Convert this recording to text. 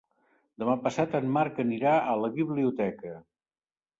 Demà passat en Marc anirà a la biblioteca.